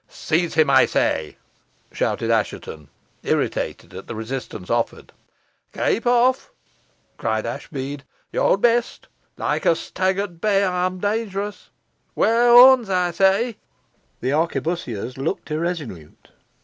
"Seize him, I say!" shouted Assheton, irritated at the resistance offered. "Keep off," cried Ashbead; "yo'd best. Loike a stag at bey ey'm dawngerous. Waar horns! waar horns! ey sey." The arquebussiers looked irresolute.